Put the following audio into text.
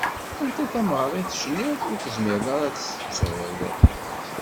Anta tameɣra i tecniḍ, ur tezmireḍ ara ad tt-tettuḍ?